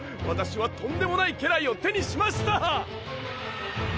私はとんでもない家来を手にしました！